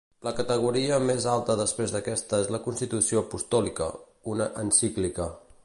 La categoria més alta després d'aquesta és la constitució apostòlica, una encíclica.